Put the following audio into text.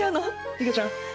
いげちゃん！